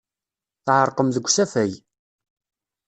Tɛerqem deg usafag.